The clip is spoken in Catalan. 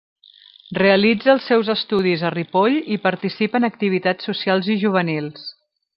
Realitza els seus estudis a Ripoll i participa en activitats socials i juvenils.